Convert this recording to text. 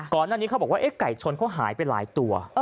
ก่อนหน้านี้เขาบอกว่าไก่ชนเขาหายไปหลายตัว